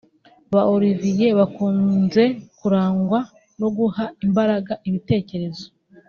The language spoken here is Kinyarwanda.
Ba Olivier bakunze kurangwa no guha imbaraga ibitekerezo